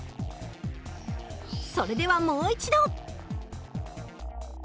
それではもう一度。